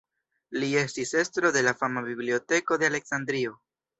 Li estis estro de la fama Biblioteko de Aleksandrio.